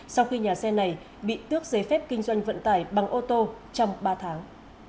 sau khi nhà xe này bị tước giấy phép kinh doanh vận tải bằng ô tô trong ba tháng